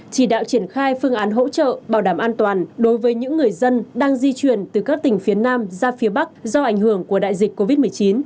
chỉ đạo triển khai phương án hỗ trợ bảo đảm an toàn đối với những người dân đang di chuyển từ các tỉnh phía nam ra phía bắc do ảnh hưởng của đại dịch covid một mươi chín